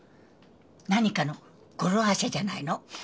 何かの語呂合わせじゃないの？